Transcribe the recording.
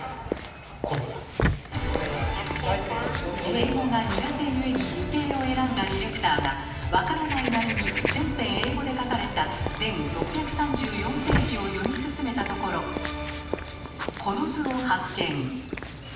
英語が苦手ゆえに理系を選んだディレクターがわからないなりに全編英語で書かれた全６３４ページを読み進めたところこの図を発見。